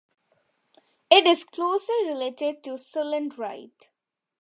It is closely related to cylindrite.